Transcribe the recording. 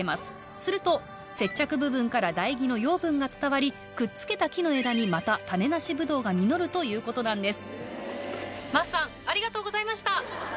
すると接着部分から台木の養分が伝わりくっつけた木の枝にまた種なしぶどうが実るということなんです。